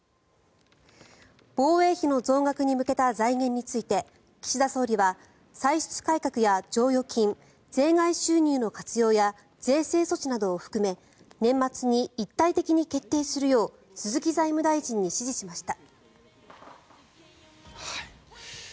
防衛費の増額に向けた財源について岸田総理は歳出改革や剰余金税外収入の活用や税制措置などを含め年末に一体的に決定するよう鈴木財務大臣に指示しました。